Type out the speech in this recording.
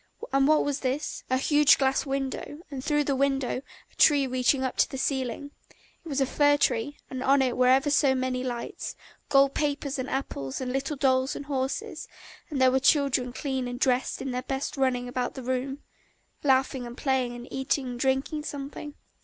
And what was this? A huge glass window, and through the window a tree reaching up to the ceiling; it was a fir tree, and on it were ever so many lights, gold papers and apples and little dolls and horses; and there were children clean and dressed in their best running about the room, laughing and playing and eating and drinking something.